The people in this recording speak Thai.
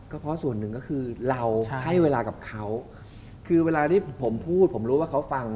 ก็เพราะส่วนหนึ่งก็คือเราให้เวลากับเขาคือเวลาที่ผมพูดผมรู้ว่าเขาฟัง